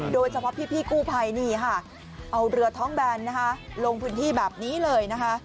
โดยเฉพาะพี่กู้ภัยนี่ค่ะเอาเรือท้องแบนนะคะลงพื้นที่แบบนี้เลยนะคะ